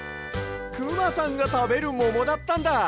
くまさんがたべるももだったんだ。